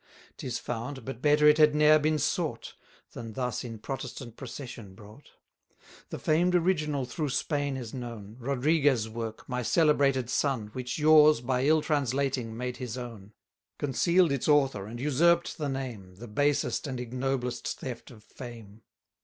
'Tis found, but better it had ne'er been sought, 330 Than thus in Protestant procession brought. The famed original through Spain is known, Rodriguez' work, my celebrated son, Which yours, by ill translating, made his own; Conceal'd its author, and usurp'd the name, The basest and ignoblest theft of fame.